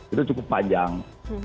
itu cukup panjang